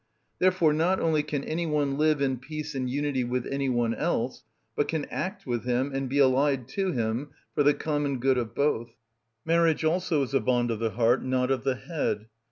Therefore not only can any one live in peace and unity with any one else, but can act with him and be allied to him for the common good of both. Marriage also is a bond of the heart, not of the head.